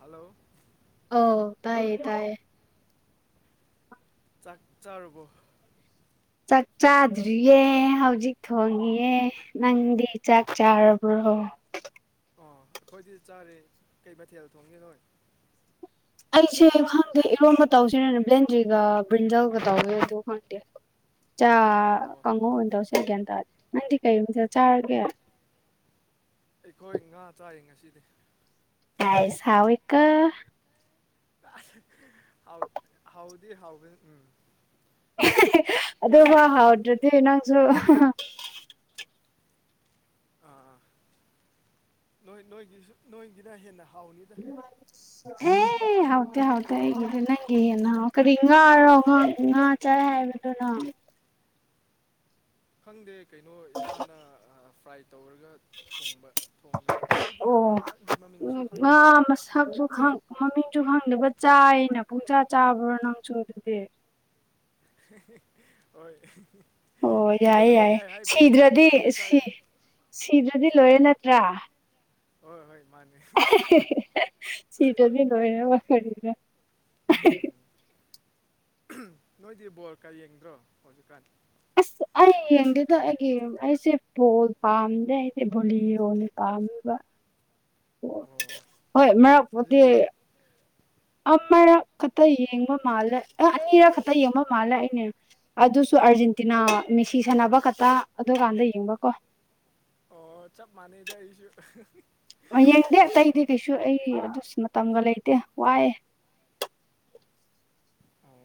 Hello ꯑꯧ ꯇꯥꯏꯌꯦ ꯇꯥꯏꯌꯦ ꯆꯥꯛ ꯆꯥꯔꯨꯕꯣ ꯆꯥꯛ ꯆꯥꯗ꯭ꯔꯤꯌꯦ ꯍꯧꯖꯤꯛ ꯊꯣꯡꯉꯤꯌꯦ ꯅꯪꯗꯤ ꯆꯥꯛ ꯆꯥꯔꯕ꯭ꯔꯣ ꯑꯣ ꯑꯩꯈꯣꯏꯗꯤ ꯆꯥꯔꯦ ꯀꯩ ꯃꯊꯦꯜ ꯊꯣꯡꯉꯦ ꯅꯣꯏ ꯑꯩꯁꯦ ꯈꯪꯗꯦ ꯏꯔꯣꯝꯕꯥ ꯇꯧꯁꯤꯔꯥꯅ ꯕ꯭ꯂꯦꯟꯗ꯭ꯔꯤꯒ ꯕ꯭ꯔꯤꯟꯖꯜꯒ ꯇꯧꯋꯦ ꯑꯗꯨ ꯈꯪꯗꯦ ꯆꯥ ꯑꯣ ꯀꯥꯡꯍꯧ ꯑꯣꯏꯅ ꯇꯧꯁꯤꯔꯥ ꯒꯌ꯭ꯥꯟ ꯇꯥꯗꯦ ꯅꯪꯗꯤ ꯀꯔꯤ ꯃꯥꯊꯦꯜ ꯆꯥꯔꯒꯦ ꯑꯩꯈꯣꯏ ꯉꯥ ꯆꯥꯏ ꯉꯁꯤꯗꯤ ꯇꯥꯏꯁ ꯍꯥꯎꯏ ꯀꫭ ꯑꯥꯁ ꯍꯥꯎ ꯍꯥꯎꯗꯤ ꯍꯥꯎꯕ ꯎꯝ [unintelligible] ꯑꯗꯣꯒꯥ ꯍꯥꯎꯗ꯭ꯔꯗꯤ ꯅꯪꯁꯨ꯫ ꯑꯥ ꯑꯥ ꯅꯣꯏ ꯅꯣꯏꯒꯤꯁꯨ ꯅꯣꯏꯒꯤꯅ ꯍꯦꯟꯅ ꯍꯥꯎꯅꯤ [inaudible] [inaudible] ꯑꯦ ꯍꯥꯎꯇꯦ-ꯍꯥꯎꯇꯦ ꯑꯩꯒꯤꯗꯤ ꯅꯪꯒꯤ ꯍꯦꯟꯅ ꯍꯥꯎ ꯀꯔꯤ ꯉꯥꯔꫭ ꯉꯥ ꯉꯥ ꯆꯔ ꯍꯥꯏꯕꯗꯨꯅꯣ꯫ ꯈꯪꯗꯦ ꯀꯩꯅꯣ ꯏꯃꯥꯅ ꯑ ꯐ꯭ꯔꯥꯏ ꯇꯧꯔꯒ ꯊꯣꯡꯕ ꯊꯣꯡꯕꯅꯦ ꯑꯩꯗꯤ ꯉꯥꯒꯤ ꯃꯃꯤꯡꯁꯨ ꯈꯪꯗꯦꯗ꯫ ꯃꯁꯛꯗꯨ ꯈꯪ ꯃꯃꯤꯡꯁꯨ ꯈꯪꯗꯕ ꯆꯥꯏꯅ ꯄꯨꯡꯆꯥ ꯆꯥꯕ꯭ꯔꯣ ꯅꯪꯁꯨ ꯑꯗꯨꯗꯤ꯫ [unintelligible] ꯍꯣꯏ [unintelligible] ꯑꯣ ꯄꯨꯛ ꯌꯥꯏꯌꯦ-ꯌꯥꯏꯌꯦ ꯊꯥꯅꯤꯡꯉꯥꯏ ꯍꯥꯏꯕꯒꯤ ꯁꯤꯗ꯭ꯔꯗꯤ ꯄꯪꯆꯥꯗ ꯁꯤ ꯆꯥꯏ ꯁꯤꯗ꯭ꯔꯗꯤ ꯂꯣꯏꯔꯦ ꯅꯠꯇ꯭ꯔꯥ꯫ ꯍꯣꯏ ꯍꯣꯏ ꯃꯥꯅꯦ [unintelligible] ꯁꯤꯗ꯭ꯔꯗꯤ ꯂꫭꯏꯔꯦ ꯋꯥ [inaudible] [unintelligible] ꯎꯝ ꯅꯣꯏꯗꯤ ꯕꯣꯜ ꯀꯥ ꯌꯦꯡꯗ꯭ꯔꯣ ꯍꯧꯖꯤꯛꯀꯥꯟ꯫ ꯑꯁ [unintelligible] ꯑꯩ ꯌꯦꯡꯗꯦꯗ ꯑꯩꯒꯤ ꯑꯩꯁꯦ ꯕꯣꯜ ꯄꯥꯝꯗꯦ ꯑꯩꯗꯤ ꯚꯣꯂꯤ ꯑꫭꯏꯅ ꯄꯥꯝꯃꯦꯕ꯫ ꯑꯣ [unintelligible] ꯍꯣꯏ ꯃꯔꯛꯄꯨꯗꯤ ꯑꯗꯨꯗꯤ ꯑꯃꯔꯛ ꯈꯛꯇ ꯌꯦꯡꯕ ꯃꯥꯜꯂꯦ ꯑ ꯑꯅꯤꯔꯛ ꯈꯛꯇ ꯌꯦꯡꯕ ꯃꯥꯜꯂꯦ ꯑꯩꯅꯦ ꯑꯗꯨꯁꯨ ꯑꯥꯔꯖꯦꯟꯇꯤꯅꯥ ꯃꯤꯁꯤ ꯁꯥꯟꯅꯕ ꯈꯛꯇꯥ ꯑꯗꯨꯀꯥꯟꯗ ꯌꯦꯡꯕ ꯀꯣ꯫ ꯑꯣ ꯆꯞ ꯃꯥꯟꯅꯩꯗ ꯑꯩꯁꯨ [unintelligible] ꯌꯦꯡꯗꯦ ꯑꯇꯩꯗꯤ ꯀꯩꯁꯨ ꯑꯩ ꯑꯗꯨꯁꯨ ꯃꯇꯝꯒ ꯂꯩꯇꯦ ꯋꯥꯑꯦ꯫ ꯑꯣ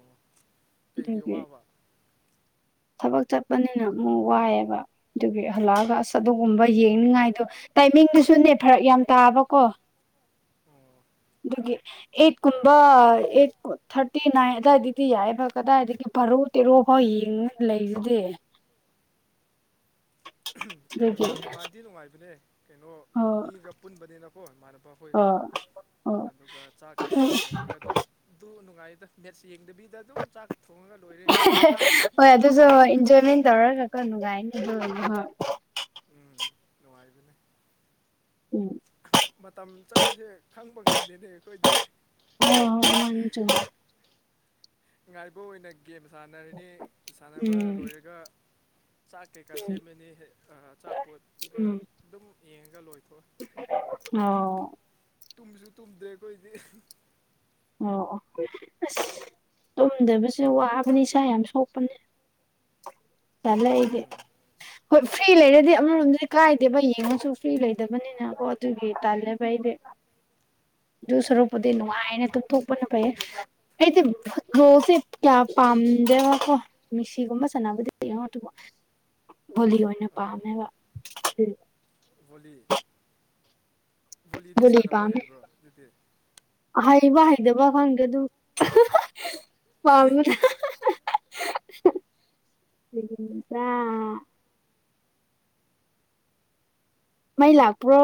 ꯀꯩꯒꯤ ꯑꯗꯨꯒꯤ ꯋꯥꯕ꯫ ꯊꯕꯛ ꯆꯠꯄꯅꯤꯅ ꯑꯃꯨꯛ ꯋꯥꯏꯑꯦꯕ꯫ ꯑꯗꯨꯒꯤ ꯍꯜꯂꯛꯑꯒ ꯑꯁ ꯑꯗꯨꯒꯨꯝꯕ ꯌꯦꯡꯅꯤꯡꯉꯥꯏꯗꯣ ꯇꯥꯏꯃꯤꯡꯗꯨꯁꯨꯅꯦ ꯐꯔꯛ ꯌꯥꯝ ꯇꯥꯕꯀꯣ꯫ ꯑꯣ꯫ ꯗꯨꯒꯤ꯫ ꯑꯦꯠ ꯀꯨꯝꯕ ꯑꯦꯠ ꯊꯥꯔꯇꯤ ꯅꯥꯏꯟ ꯑꯗꯨꯋꯥꯏꯗꯗꯤ ꯌꯥꯏꯕ ꯀꯗꯥꯏꯗꯒꯤ ꯕꯔꫭ ꯇꯦꯔꯣ ꯐꯥꯎ ꯌꯦꯡꯉ ꯂꯩꯔꯗꯤ꯫ [unintelligible] ꯑꯗꯨꯒꯤ ꯅꯨꯡꯉꯥꯏꯗꯤ ꯅꯨꯡꯉꯥꯏꯕꯅꯦ ꯀꯩꯅꯣ ꯑꯣ ꯃꯤꯒ ꯄꯨꯨꯟꯕꯅꯤꯅꯀꯣ ꯏꯃꯥꯟꯅꯕ ꯈꯣꯏꯒ ꯑꯣ ꯑꯣ ꯑꯗꯨꯒ ꯆꯥꯛ ꯀꯩꯀꯥ ꯊꯣꯡꯉꯒ ꯑꯗꯨ ꯑꯗꯨ ꯅꯨꯡꯉꯥꯏꯗ ꯃꯦꯠꯁ ꯌꯦꯡꯗꯕꯤꯗ ꯑꯗꯨꯝ ꯆꯥꯛ ꯊꯣꯡꯉꯒ ꯂꯣꯏꯔꯦ꯫ ꯑꯩꯈꯣꯏꯗꯤ [unintelligible] ꯍꯣꯏ ꯑꯗꯨꯁꯨ ꯏꯟꯖꯣꯏꯃꯦꯟ ꯇꯧꯔꯒꯀꫭ ꯅꯨꯉꯥꯏꯅꯤ ꯗꯨꯒꯨꯝꯕ꯫ ꯎꯝ ꯅꯨꯡꯉꯥꯏꯕꯅꯦ꯫ ꯎꯝ ꯃꯇꯝ ꯆꯠꯄꯁꯦ ꯈꯪꯕ ꯉꯝꯗꯦꯅꯦ ꯑꯩꯈꯣꯏꯗꯤ [unintelligible] ꯑꯣ ꯃꯥꯅꯤ ꯆꯨꯝ ꯉꯥꯏꯕ ꯑꯣꯏꯅ ꯒꯦꯝ ꯁꯥꯟꯅꯔꯤꯅꯤ ꯁꯥꯟꯅꯕ ꯎꯝ ꯂꯣꯏꯔꯒ ꯆꯥꯛ ꯀꯩꯀꯥ ꯁꯦꯝꯃꯅꯤ ꯑ ꯑꯆꯥꯄꯣꯠ ꯇꯨꯒ ꯎꯝ ꯑꯗꯨꯝ ꯌꯦꯡꯉꯒ ꯂꯣꯏꯊꯣꯛꯑꯦ꯫ [unintelligible] ꯑꯣ꯫ ꯇꯨꯝꯁꯨ ꯇꯨꯝꯗꯦ ꯑꯈꯣꯏꯗꯤ [unintelligible] ꯑꯣ ꯑꯣ ꯑꯁ ꯇꯨꯝꯗꯕꯁꯦ ꯋꯥꯕꯅꯤ ꯏꯁꯥ ꯌꯥꯝ ꯁꯣꯛꯄꯅꯤ꯫ [inaudible] ꯇꯜꯂꯦ ꯑꯩꯗꯤ꯫ ꯎꯝ ꯍꯣꯏ ꯐ꯭ꯔꯤ ꯂꯩꯔꯗꯤ ꯑꯃꯔꯣꯝꯗꯗꯤ ꯀꯥꯏꯗꯦꯕ ꯌꯦꯡꯉꯁꯨ ꯐ꯭ꯔꯤ ꯂꯩꯗꯕꯅꯤꯅꯀꯣ ꯑꯗꯨꯒꯤ ꯇꯜꯂꯦꯕ ꯑꯩꯗꯤ ꯫ [inaudible] ꯗꯨ ꯑꯣ ꯁꯔꯨꯛꯄꯨꯗꯤ ꯅꯨꯡꯉꯥꯏꯅ ꯇꯨꯝꯊꯣꯛꯄꯅ ꯐꯩꯌꯦ ꯫ ꯑꯩꯗꯤ ꯐꯨꯠꯕꯣꯜꯁꯦ ꯀꯌꯥ ꯄꯥꯝꯗꯦꯕ ꯀꯣ ꯫ ꯃꯤꯁꯤꯒꯨꯝꯕ ꯁꯥꯟꯅꯕꯗꯤ ꯌꯦꯡ ꯉ‌ꯣ ꯑꯗꯨꯕꯨ ꯚꯣꯂꯤ ꯑꯣꯏꯅ ꯑꯣ ꯄꯥꯝꯃꯦꯕ ꯫ ꯚꯣꯂꯤ ꯚꯣꯂꯤꯗꯤ ꯚꯣꯂꯤ ꯁꯥꯟꯅꯕ ꯄꯥꯝꯃꯦ ꯍꯩꯕ꯭ꯔꯣ ꯑꯗꯨꯗꯤ? ꯍꯩꯕ ꯍꯩꯗꯕ ꯈꯪꯗꯦ ꯑꯗꯨ ꯄꯥꯝꯕꯅꯦ ꯫ [unintelligible] ꯃꯩ ꯂꯥꯛꯄ꯭ꯔꯣ?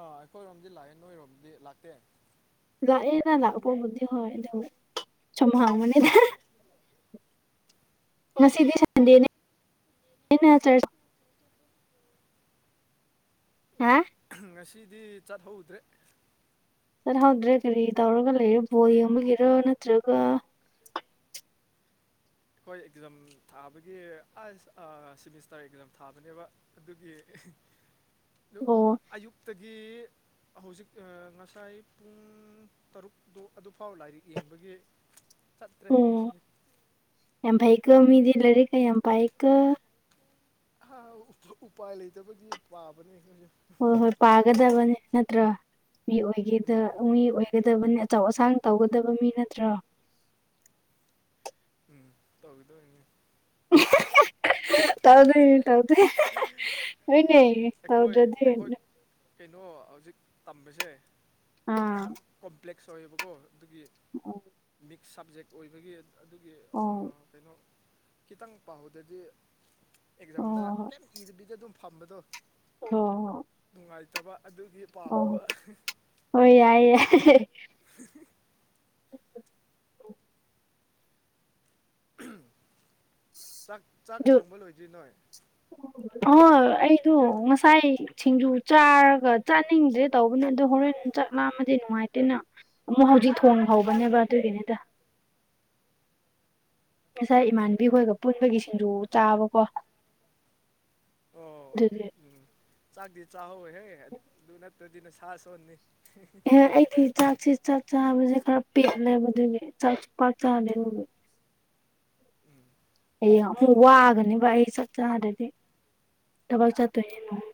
ꯑꯥ ꯑꯩꯈꯣꯏꯔꯣꯝꯗꯤ ꯂꯥꯛꯑꯦ ꯅꯣꯏꯔꯣꯝꯗꯤ ꯂꯥꯛꯇꯦ ꯫ ꯂꯥꯛꯑꯦꯗ ꯂꯥꯛꯄꯕꯨꯗꯤ ꯍꯣꯏ ꯑꯗꯨ ꯁꯨꯝ ꯍꯥꯡꯕꯅꯤꯗ ꯫ ꯑꯣ ꯉꯁꯤꯗꯤ ꯁꯟꯗꯦꯅꯦ ꯅꯤꯅ ꯆꯔꯖ ꯍꯥ ꯉꯁꯤꯗꯤ ꯆꯠꯍꯧꯗ꯭ꯔꯦ ꯫ ꯆꯠꯍꯧꯗ꯭ꯔꯦ ꯀꯔꯤ ꯇꯧꯔꯒ ꯂꯩꯔꯦ ꯕꯣꯜ ꯌꯦꯡꯕꯒꯤꯔꯣ ꯅꯠꯇ꯭ꯔꯒ ꯈ‌ꯣꯏ ꯑꯦꯛꯖꯥꯝ ꯊꯥꯕꯒꯤ ꯑꯁ ꯑꯥ ꯁꯤꯃꯤꯁꯇꯔ ꯑꯦꯛꯖꯥꯝ ꯊꯥꯕꯅꯦꯕ ꯫ ꯑꯗꯨꯒꯤ ꯌꯨꯛ ꯑꯣ ꯑꯌꯨꯛꯇꯒꯤ ꯍꯧꯖꯤꯛ ꯑꯥ ꯉꯁꯥꯏ ꯄꯨꯡ ꯇꯔꯨꯛꯇꯣ ꯑꯗꯨꯐꯥꯎ ꯂꯥꯏꯔꯤꯛ ꯌꯦꯡꯕꯒꯤ ꯆꯠꯇ꯭ꯔꯦ ꯑꯣ ꯉꯁꯤꯗꯤ ꯫ ꯌꯥꯝ ꯐꯩꯀꯣ ꯃꯤꯗꯤ ꯂꯩꯔꯤꯛꯀ ꯌꯥꯝ ꯄꯥꯏꯌꯦꯀꯣ ꯫ ꯍꯥ ꯍꯥ ꯎꯞ ꯎꯄꯥꯏ ꯂꯩꯇꯕꯒꯤ ꯄꯥꯕꯅꯦ ꯑꯩꯈꯣꯏꯁꯨ ꯫ ꯍꯣꯏ ꯍꯣꯏ ꯄꯥꯒꯗꯕꯅꯤ ꯅꯠꯇ꯭ꯔꯥ? ꯃꯤ ꯑꯣꯏꯒꯦꯗ ꯎꯝ ꯃꯤ ꯑꯣꯏꯒꯗꯕꯅꯤ ꯑꯆꯧ ꯑꯁꯥꯡ ꯇꯧꯒꯗꯕ ꯃꯤ ꯅꯠꯇ꯭ꯔꯣ? ꯇꯧꯗꯣꯏꯅꯦ [unintelligible] ꯇꯧꯗꯣꯏꯅꯦ ꯇꯧꯗꯣꯏꯅꯦ ꯅ‌ꯣꯏꯅꯦ ꯑꯩꯈꯣꯏ ꯇꯧꯗ꯭ꯔꯗꯤ ꯑꯩꯈꯣꯏ ꯀꯩꯅꯣ ꯍꯧꯖꯤꯛ ꯇꯝꯕꯁꯦ ꯑꯥ ꯌꯥꯝ ꯀꯣꯝꯄ꯭ꯂꯦꯛꯁ ꯑꯣꯏꯌꯦꯕꯀꯣ ꯫ ꯑꯗꯨꯒꯤ ꯑꯣ ꯃꯤꯛꯁ ꯁꯕꯖꯦꯛ ꯑꯣꯏꯕꯒꯤ ꯑꯗꯨꯒꯤ ꯑꯣ ꯑꯥ ꯀꯩꯅꯣ ꯈꯤꯇꯪ ꯄꯥꯍꯧꯗꯗꯤ ꯑꯦꯛꯖꯥꯝꯗ ꯑꯣ ꯀꯩꯝ ꯏꯗꯕꯤꯗ ꯑꯗꯨꯝ ꯐꯝꯕꯗꯣ ꯍꯣ ꯍꯣ ꯅꯨꯡꯉꯥꯏꯇꯕ ꯑꯗꯨꯒꯤ ꯫ ꯑꯣ ꯍꯣꯏ ꯌꯥꯏ ꯌꯥꯏ ꯫ [unintelligible] ꯆꯥꯛ ꯆꯥꯛ ꯑꯗꯨ ꯊꯣꯡꯕ ꯂꯣꯏꯗ꯭ꯔꯤ ꯅꯣꯏ? ꯍꯣꯏ ꯑꯩꯗꯣ ꯉꯁꯥꯏ ꯁꯤꯡꯖꯨ ꯆꯥꯔꯒ ꯆꯥꯅꯤꯡꯗ꯭ꯔꯦ ꯇꯧꯕꯅꯦ ꯑꯗꯣ ꯍꯣꯔꯦꯟ ꯆꯥꯛ ꯂꯥꯝꯃꯗꯤ ꯅꯨꯡꯉꯥꯏꯇꯦꯅ ꯑꯃꯨꯛ ꯍꯧꯖꯤꯛ ꯊꯣꯡ ꯍꯧꯕꯅꯦꯕ ꯑꯗꯨꯒꯤꯅ‌ꯦꯗ ꯫ ꯉꯁꯥꯏ ꯏꯃꯥꯟꯕꯤꯈꯣꯏꯒ ꯄꯨꯟꯕꯒꯤ ꯁꯤꯡꯖꯨ ꯆꯥꯕꯀꯣ ꯫ ꯑꯣ ꯑꯣ ꯑꯗꯨꯒꯤ ꯎꯝ ꯆꯥꯛꯇꯤ ꯆꯥꯍꯧꯋ‌ꯦꯍꯦ ꯑꯗꯨ ꯅꯠꯇ꯭ꯔꯗꯤ ꯅꯁꯥ ꯁꯣꯟꯅꯤ ꯫ ꯍꯣꯏ ꯑꯩꯗꯤ ꯆꯥꯛꯁꯤ ꯆꯥꯛ ꯆꯥꯕꯁꯦ ꯈꯔ ꯄꯦꯠꯂꯦꯕ ꯑꯗꯨꯒꯤ ꯆꯥꯛꯁꯨ ꯄꯥꯛ ꯆꯥꯗꯦ ꯑꯗꯨꯒꯤ ꯫ ꯎꯝ ꯍꯌꯦꯡ ꯑꯃꯨꯛ ꯋꯥꯒꯅꯤꯕ ꯑꯩ ꯆꯥꯛ ꯆꯥꯗ꯭ꯔꯗꯤ ꯫ ꯊꯕꯛ ꯆꯠꯇ‌ꯣꯏꯅꯤ ꯅ‌ꯣꯡ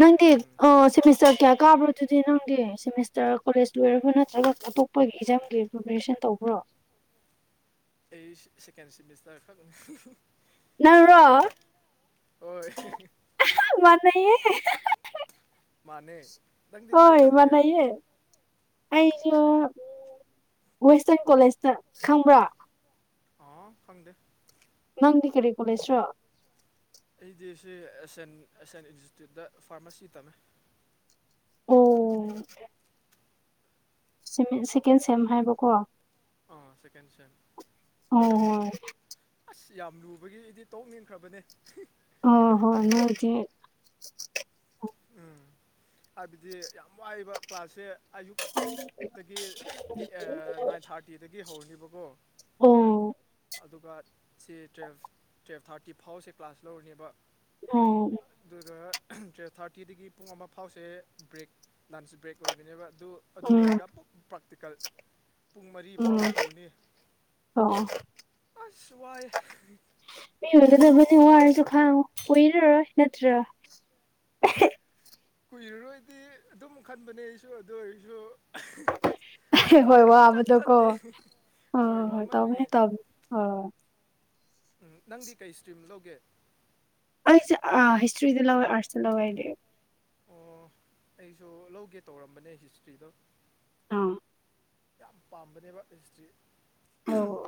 ꯅꯪꯗꯤ ꯎꯝ ꯑꯥ ꯁꯤꯃꯤꯁꯇꯔ ꯀꯌꯥ ꯀꯥꯕ꯭ꯔ‌ꯣ ꯗꯨꯗꯤ ꯅꯪꯗꯤ ꯁꯦꯃꯤꯁꯇꯔ ꯀꯣꯂꯦꯖ ꯂꯣꯏꯔꯕ꯭ꯔꯣ ꯅꯠꯇ꯭ꯔꯒ ꯑꯇꯣꯞꯄꯒꯤ ꯑꯦꯛꯖꯥꯝꯒꯤ ꯄ꯭ꯔꯤꯄꯦꯔꯦꯁꯟ ꯇꯧꯕ꯭ꯔꯣ? ꯑꯩ ꯁ‌ꯦ ꯁꯦꯀꯦꯟ ꯁꯤꯃꯤꯁꯇꯔ ꯈꯛꯅꯤ ꯫ ꯅꯪꯔꯣ ꯍꯣꯏ ꯃꯥꯟꯅꯌꯦ ꯃꯥꯅꯦ ꯅꯪꯗꯤ ꯀꯥꯏ ꯍꯣꯏ ꯇꯝꯒꯦ ꯃꯥꯟꯅꯌꯦ ꯑꯩꯁꯨ ꯋꯦꯁꯇꯔꯟ ꯀꯣꯂꯦꯖꯇ ꯈꯪꯕ꯭ꯔꯥ ꯑꫭꯑꫭ ꯈꯪꯗꯦ ꯅꯪꯗꯤ ꯀꯔꯤ ꯀꯣꯂꯦꯁ꯭ꯔꯣ ꯑꯩꯗꯤ ꯁꯤ ꯑꯦꯁꯌꯥꯦꯟ ꯑꯦꯁꯌꯥꯦꯟ ꯏꯟꯁꯇꯤꯇ꯭ꯌꯨꯠꯇ ꯐꯥꯔꯃꯥꯁꯤ ꯇꯝꯃꯤ ꯑꯣ ꯁꯤꯀꯦꯟ ꯁꯦꯝ ꯍꯥꯏꯕꯀꯣ ꯑꯥ ꯁꯦꯀꯦꯟ ꯁ°ꯝ ꯑꯣ ꯍꫭ ꯑꯁ ꯌꯥꯝ ꯂꯨꯕꯒꯤ ꯑꯩꯗꯤ ꯇꯣꯛꯅꯤꯡꯈ꯭ꯔꯕꯅꯦ ꯑꫭ ꯍꯣꯏ ꯅꯣꯏꯗꯤ ꯎꯝ ꯍꯥꯏꯕꯗꯤ ꯌꯥꯝ ꯋꯥꯏꯕ ꯀ꯭ꯂꯥꯁꯁꯦ ꯑꯌꯨꯛ ꯗꯒꯤ [inaudible] ꯊꯥꯔꯇꯤꯗꯒꯤ ꯍꯧꯔꯅꯤꯕꯀꯣ ꯑꯣ ꯑꯗꯨꯒ ꯁꯤ ꯇꯨꯋꯜꯐ ꯇꯨꯌꯦ ꯊꯥꯔꯇꯤ ꯐꯥꯎꯁꯦ ꯀ꯭ꯂꯥꯁ ꯂꯧꯔꯅꯦꯕ ꯎꯝ ꯑꯗꯨꯒ ꯇꯨꯌꯦꯞ ꯊꯥꯔ ꯀꯀꯤꯗꯒꯤ ꯄꯨꯡ ꯑꯃ ꯐꯥꯎꯁꯦ ꯕ꯭ꯔꯦꯛ ꯂꯟꯁ ꯕ꯭ꯔꯦꯛ ꯑꯣꯏꯕꯅꯦꯕ ꯑꯗꯨ ꯑꯗꯨ ꯎꯝ ꯂꯣꯏꯔꯒ ꯑꯃꯨꯛ ꯄ꯭ꯔꯥꯛꯇꯤꯀꯦꯜ ꯄꯨꯡ ꯃꯔꯤ ꯐꯥꯎ ꯇꯧꯅꯤ ꯑꯣꯑꫭ ꯑꯁ ꯋꯥꯏꯌ° ꯃꯤ ꯑꯣꯏꯒꯗꯕꯨꯗꯤ ꯋꯥꯔꯁꯨ ꯈꯥꯡꯉꯨ ꯀꯣꯏꯔꯔꯣꯏ ꯅꯠꯇ꯭ꯔꯥ ꯀꯨꯏꯔꯔꯣꯏꯗꯤ ꯑꯗꯨꯝ ꯈꯟꯕꯅꯦ ꯑꯩꯁꯨ ꯑꯗꯨ ꯑꯣꯏꯔꯁꯨ ꯍꯣꯏ ꯃꯇꯝꯁꯦ ꯁꯨꯡꯆꯠ ꯋꯥꯕꯗꯣꯀꯣ ꯆꯠꯇꯦ ꯍꯣꯏ ꯋꯥꯃꯟꯕꯤꯒꯤ ꯅꯪꯗꯤ ꯀꯩ ꯏꯁꯇ꯭ꯔꯤꯝ ꯂꯧꯒꯦ ꯑꯩꯁꯦ ꯑꯥ ꯍꯤꯁꯇ꯭ꯔꯤꯗ ꯂꯧꯋꯦ ꯑꯥꯔꯠꯁꯇ ꯂꯧꯋꯦ ꯑꯩꯗꯤ ꯑꯣ ꯑꯩꯁꯨ ꯂꯧꯒꯦ ꯇꯧꯔꯝꯕꯅꯦ ꯍꯤꯁꯇ꯭ꯔꯤꯗꯣ ꯑꯥ ꯌꯥꯝ ꯄꯥꯝꯕꯅꯦꯕ ꯍꯤꯁꯇ꯭ꯔꯤ ꯑꯣ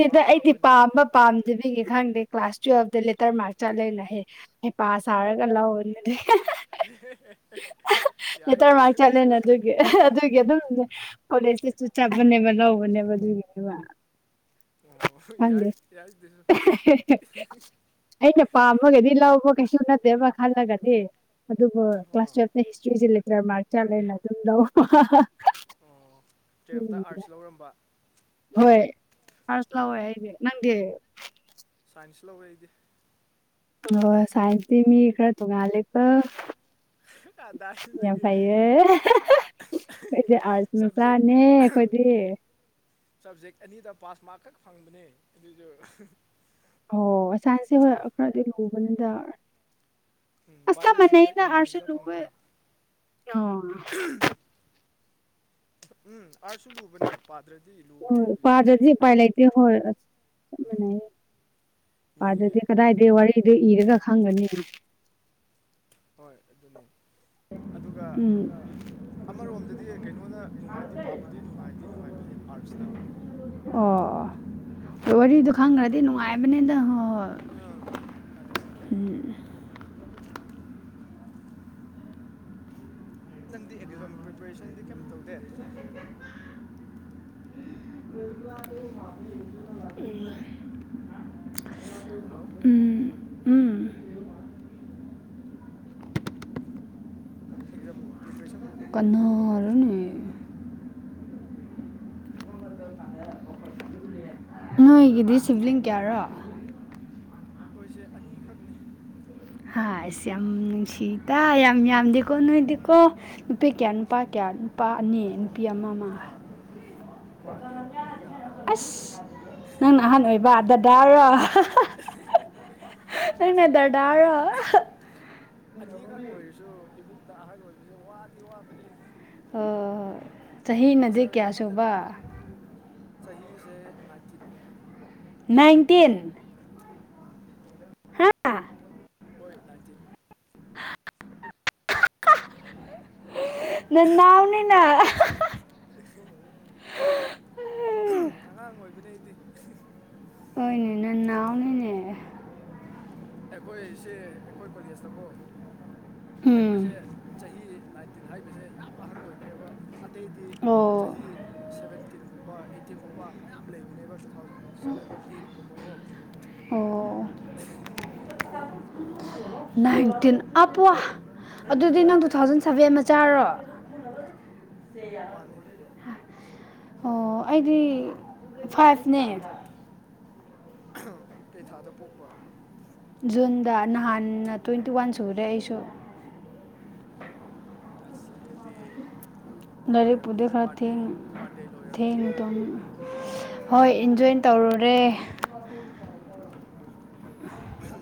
ꯏꯃꯥ ꯏꯄꯥ ꯑꯩꯗꯤ ꯑꯩꯈꯣꯏꯅ ꯄꯥꯝꯕ ꯄꯥꯝꯗꯕꯤꯒꯤ ꯈꯪꯗꯦ ꯀ꯭ꯂꯥꯁ ꯇꯨꯌꯦꯜꯞꯇ ꯂꯦꯇꯔ ꯃꯥꯔꯛ ꯆꯠꯂꯅ ꯍꯦ ꯍꯩꯄꯥ ꯁꯥꯔꯒ ꯔꯧꯕꯅꯤꯗꯥ ꯌꯥꯏ ꯂꯦꯇꯔ ꯃꯥꯔꯛ ꯀꯩꯁꯨ ꯑꯗꯨꯁꯨ ꯆꯠꯂꯦꯅ ꯑꯗꯨꯒꯤ ꯑꯗꯨꯒꯤ ꯑꯗꯨꯝ ꯀꯣꯂꯦꯖꯇꯁꯨ ꯆꯠꯄꯅꯦꯕ ꯂꯧꯕꯅꯦꯕ ꯑꯗꯨꯒꯤꯅꯦꯕ ꯑꯣ ꯈꯪꯗꯦ ꯌꯥꯏ ꯌꯥꯏ ꯑꯗꯨꯁꯨ ꯑꯩꯅ ꯄꯥꯃꯒꯗꯤ ꯂꯧꯕ ꯀꯩꯁꯨ ꯅꯠꯇꯦꯕ ꯈꯜꯂꯒꯗꯤ ꯑꯗꯨꯕꯨ ꯀ꯭ꯂꯥꯁ ꯑꯣ ꯇꯨꯋꯦꯜꯞꯇ ꯍꯤꯁꯇ꯭ꯔꯤꯁꯦ ꯂꯤꯇꯔꯦꯜ ꯃꯥꯔꯛ ꯆ ꯂꯩꯅ ꯑꯗꯨꯝ ꯂꯧꯕ ꯑꯣ ꯇꯨꯌꯦꯜꯐꯇ ꯑꯗꯨꯒꯤꯅꯤꯗ ꯑꯥꯔꯠꯁ ꯂꯧꯔꯝꯕ ꯍꯣꯏ ꯑꯥꯔꯁ ꯂꯋꯦ ꯑꯣ ꯑꯩꯗꯤ ꯅꯪꯗꯤ ꯁꯥꯏꯟꯁ ꯂꯧꯋꯦ ꯑꯩꯗꯤ [inaudible] ꯁꯥꯏꯟꯁꯇꯤ ꯃꯤ ꯈꯔ ꯇꯣꯡꯉꯥꯜꯂꯤꯀꫭ ꯌꯥꯝ ꯑꯗꯥꯏꯁꯤꯗꯒꯤ ꯐꯩꯑ° ꯑꯩꯈꯗꯤ ꯑꯥꯔꯁ ꯁꯕꯖꯦꯛ ꯃꯆꯥꯅꯦ ꯑꯩꯈꯣꯏꯗꯤ ꯁꯕꯖꯦꯛ ꯑꯅꯤꯗ ꯄꯥꯁ ꯃꯥꯔꯛ ꯈꯛ ꯐꯪꯕꯅꯦ ꯑꯗꯨꯁꯨ ꯑꯣ ꯁꯥꯏꯟꯁꯦ ꯍꯣꯏ ꯈꯔꯗꯤ ꯂꯨꯧꯕꯅꯤꯗ ꯎꯝ ꯑꯁ ꯆꯞ ꯕꯥꯏꯑꯣꯂꯣꯖꯤꯒ ꯃꯥꯟꯅꯩꯗ ꯑꯥꯔꯠꯁꯨ ꯏꯪꯂꯤꯁꯇ ꯂꯨꯋꯦ ꯐꯪꯕꯅꯦ ꯑꯣ꯫ ꯎꯝ ꯑꯥꯔꯠꯁꯨ ꯂꯨꯕꯅꯦ ꯄꯥꯗ꯭ꯔꯗꯤ ꯂꯨꯕꯅꯦ ꯑꯗꯨꯁꯨ꯫ ꯀꯔꯤꯗꯤ ꯎꯄꯥꯏ ꯂꯩ꯫ [unintelligible] ꯍꯣꯏ ꯆꯞ‌ ꯎꯝ ꯃꯥꯟꯅꯩꯌꯦ꯫ ꯃꯤ ꯄꯥꯗꯔꯗꯤ ꯀꯗꯥꯏꯗꯩ ꯋꯥꯔꯤꯗꯨ ꯏꯔꯒ ꯈꯪꯒꯅꯤ꯫ ꯍꯣꯏ ꯑꯗꯨꯅꯤ ꯑꯗꯨꯒ ꯎꯝ ꯑꯃꯔꯣꯝꯗꯗꯤ ꯀꯩꯅꯣꯅ ꯅꯨꯡꯉꯥꯏꯗꯤ ꯄꯥꯕꯗꯤ ꯅꯨꯡꯉꯥꯏꯗꯤ ꯅꯨꯡꯉꯥꯏꯕꯩꯥꯅꯦ ꯑꯥꯔꯠꯁꯅ꯫ ꯑꯣꯏ ꯋꯥꯔꯤꯗꯣ ꯈꯪꯈ꯭ꯔꯗꯤ ꯅꯨꯡꯉꯥꯏꯕꯅꯤꯗ ꯍꯣꯏ ꯍꯣꯏ꯫ ꯑꯪ ꯑꯪ ꯑꯗꯨ꯫ ꯎꯝ꯫ ꯅꯪꯗꯤ ꯑꯗꯤꯂꯝ ꯄ꯭ꯔꯤꯄꯦꯔꯦꯁꯟꯗꯤ ꯀꯩꯝ ꯇꯧꯗꯦ꯫ [unintelligible] ꯎꯝ ꯑ ꯍꯜꯂꯣ꯫ ꯎꯝ꯫ ꯎꯝ ꯑꯦꯛꯖꯥꯝ ꯄ꯭ꯔꯤꯄꯦꯔꯦꯁꯟꯒꯨꯝꯕꯗꯤ ꯀꯩꯝ ꯇꯧꯗꯔꯕ꯭ꯔꯣ꯫ ꯀꯅꯥꯔꯅꯦ ꯅꯣꯏꯒꯤꯗꯤ ꯁꯤꯕ꯭ꯂꯤꯡ ꯀꯌꯥꯔꯣ꯫ ꯑꯩꯈꯣꯏꯁꯦ ꯑꯅꯤꯈꯛꯅꯤ꯫ ꯍꯥ ꯏꯁ ꯌꯥꯝ ꯅꯨꯡꯁꯤꯗ ꯌꯥꯝ ꯌꯥꯝꯗꯦꯀꯣ ꯅꯣꯏꯗꯤꯀꯣ꯫ ꯅꯨꯄꯤ ꯀꯌꯥ ꯅꯨꯄꯥ ꯀꯌꯥ ꯅꯨꯄꯥ ꯑꯅꯤ ꯅꯨꯄꯤ ꯑꯃ꯫ ꯑꯃ ꯑꯥ ꯅꯨꯞ ꯅꯨ ꯑꯁ ꯅꯪꯅ ꯑꯍꯟ ꯑꯣꯏꯕ ꯗꯗꯥꯔꯣ꯫ ꯅꯪꯅ ꯑꯁ ꯋꯥ ꯗꯗꯥꯔꯣ꯫ ꯑꯅꯤꯈꯛ ꯑꯣꯏꯔꯁꯨ ꯏꯃꯨꯡꯗ ꯑꯍꯜ ꯑꯣꯏꯕꯁꯦ ꯋꯥꯗꯤ ꯋꯥꯕꯅꯤꯍꯦ꯫ ꯑꯣ ꯍꯣꯏ ꯆꯍꯤꯅꯗꯤ ꯀꯌꯥ ꯌꯥꯝꯃꯜꯂꯦꯕ ꯁꯨꯕ꯫ ꯆꯍꯤꯁꯦ ꯅꯥꯏꯟꯇꯤꯟ꯫ ꯅꯥꯏꯟꯇꯤꯟ꯫ ꯎꯝ꯫ ꯍꯥ ꯍꯣꯏ ꯅꯥꯏꯟꯇꯤꯟ꯫ ꯅꯅꯥꯎꯅꯤꯅ꯫ [inaudible] ꯎꯝ ꯑꯉꯥꯡ ꯑꯣꯏꯕꯅꯤ ꯑꯩꯗꯤ꯫ ꯍꯣꯏꯅꯦ ꯅꯅꯥꯎꯅꯤꯅꯦ꯫ ꯑꯩꯈꯣꯏ ꯁꯦ ꯑꯩꯈꯣꯏ ꯀꯣꯂꯦꯖꯇꯀꯣ ꯑꯩꯈꯣꯏꯁꯦ ꯎꯝ ꯆꯍꯤ ꯅꯥꯏꯟꯇꯤꯟ ꯍꯥꯏꯕꯁꯦ ꯌꯥꯝ ꯑꯍꯟ ꯑꯣꯏꯈ꯭ꯔꯦꯕ ꯑꯇꯩꯗꯤ ꯑꯣ ꯆꯍꯤ ꯁꯕꯦꯟꯇꯤꯟꯒꯨꯝꯕ ꯑꯩꯠꯇꯤꯟꯒꯨꯝꯕ ꯃꯌꯥꯝ ꯂꯩꯕꯅꯦꯕ ꯇꯨ ꯊꯥꯎꯖꯟ ꯁꯕꯦꯟ ꯑꯩꯠꯒꯨꯝꯕꯀꯣ ꯑꯣ ꯅꯥꯏꯟꯇꯤꯟ ꯑꯞꯄ꯭ꯋꯥ ꯑꯗꯨꯗꯤ ꯅꯪꯗꯤ ꯅꯪ ꯇꯨ ꯀꯌꯥ ꯊꯥꯎꯖꯟ ꯁꯚꯦꯟ ꯆꯥꯔꯣ꯫ ꯃꯥꯅꯦ꯫ ꯑꯣ ꯑꯩꯗꯤ ꯐꯥꯏꯚꯅꯦ꯫ ꯀꯩ ꯊꯥꯗ ꯄꯣꯛꯄ꯫ ꯖꯨꯟꯗ ꯅꯍꯥꯟꯅ ꯇ꯭ꯋꯦꯟꯇꯤ ꯋꯥꯟ ꯁꯨꯔꯦ ꯑꯩꯁꯨ꯫ ꯑꯣ ꯑꯁ ꯑꯗꯨꯗꯤ ꯂꯥꯏꯔꯤꯛꯄꯨꯗꯤ ꯅꯨꯡꯉꯥꯏꯔꯝꯅꯤꯍꯦ ꯈꯔ ꯕꯥꯔꯗꯦ ꯊꯦꯡꯅ ꯕꯥꯔꯗꯦ ꯊꯦꯡꯅ ꯂꯣꯏꯔꯕꯅꯤꯅ꯫ ꯇꯣꯝꯃꯤ ꯍꯣꯏ ꯏꯟꯖꯣꯏꯟ ꯇꯧꯔꯨꯔꯦ꯫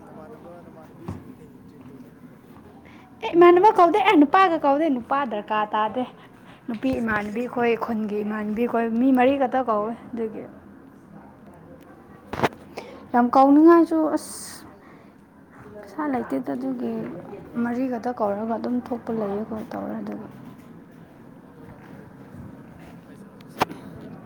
ꯅꯃꯥꯟꯅꯕ ꯅꯃꯥꯟꯅꯕꯤꯁꯤꯡꯗꯤ ꯀꯩ ꯇ꯭ꯔꯤꯠ ꯇꯧꯒꯦ ꯅꯪ ꯕꯥꯔꯗꯦꯗ꯫ ꯑꯦ ꯏꯃꯥꯟꯅꯕ ꯀꯧꯗꯦ ꯑꯦ ꯅꯨꯄꯥꯒ ꯀꯧꯗꯦ ꯅꯨꯄꯥ ꯗꯔꯀꯥꯔ ꯇꯥꯗꯦ ꯅꯨꯄꯤ ꯁꯦ ꯏꯃꯥꯟꯕꯤ ꯑꯩꯈꯣꯏ ꯎꯟꯒꯤ ꯏꯃꯥꯟꯅꯕꯤ ꯀꯣꯏ ꯃꯤ ꯃꯔꯤ ꯈꯛꯇ ꯀꯧꯋꯦ ꯑꯗꯨꯒꯤ ꯑꯣ ꯌꯥꯝ ꯀꯥꯎꯅꯤꯡꯉꯥꯏꯁꯨ ꯑꯁ ꯄꯩꯁꯥ ꯂꯩꯇꯦꯗ ꯑꯗꯨꯒꯤ ꯃꯔꯤꯒꯗ ꯀꯧꯔꯒ ꯑꯗꯨꯝ ꯊꯣꯛꯄ ꯂꯩꯌꯦ ꯀꯣꯏ ꯇꯧꯔꯦ ꯑꯗꯨꯝ ꯎꯝ ꯑꯗꯨꯅ ꯐꯩꯌꯦ ꯄꯩꯁꯥꯁꯨ ꯁꯦꯚꯤꯡ ꯑꯣꯏꯕ